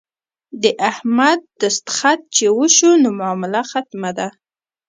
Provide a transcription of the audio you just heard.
د احمد دستخط چې وشو نو معامله ختمه ده.